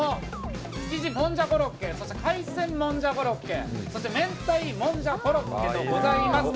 築地コロッケそして海鮮もんじゃコロッケそして明太もんじゃコロッケとございます。